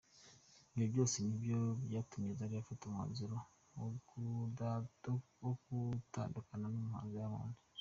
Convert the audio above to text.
Ibyo byose nibyo byatumye Zari afata umwanzuro wo gutandukana n’umuhanzi Diamond.